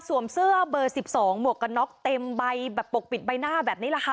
เสื้อเบอร์๑๒หมวกกันน็อกเต็มใบแบบปกปิดใบหน้าแบบนี้แหละค่ะ